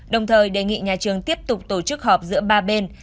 đồng thời đề nghị nhà trường tiếp tục tổ chức họp giữa ba bên